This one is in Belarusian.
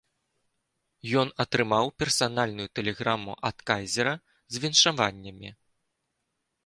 Ён атрымаў персанальную тэлеграму ад кайзера з віншаваннямі.